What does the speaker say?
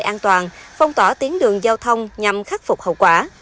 công an quyện đã đặt nơi an toàn phong tỏa tiến đường giao thông nhằm khắc phục hậu quả